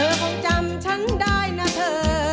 คงจำฉันได้นะเธอ